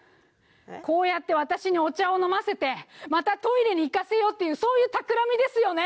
こうやって私にお茶を飲ませてまたトイレに行かせようっていうそういうたくらみですよね？